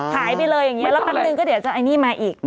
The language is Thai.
หายไปเลยอย่างนี้แล้วแป๊บนึงก็เดี๋ยวจะไอ้นี่มาอีก